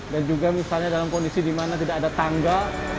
dan juga misalnya dalam kondisi di mana tidak ada tangga